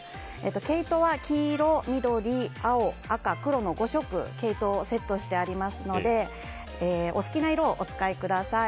毛糸は黄色、緑、青、赤、黒の５色毛糸をセットしてありますのでお好きな色をお使いください。